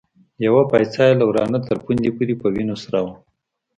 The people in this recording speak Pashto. يوه پايڅه يې له ورانه تر پوندې پورې په وينو سره وه.